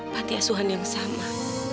panti asuhan yang sama